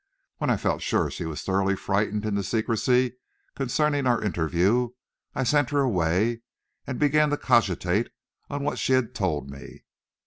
When I felt sure she was thoroughly frightened into secrecy concerning our interview, I sent her away and began to cogitate on what she had told me.